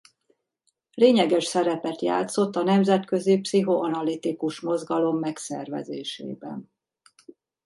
Lényeges szerepet játszott a nemzetközi pszichoanalitikus mozgalom megszervezésében.